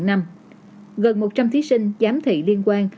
gần một trăm linh thí sinh giám thị liên quan